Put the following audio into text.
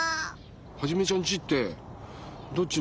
ハジメちゃんちってどっちのほうにあるの？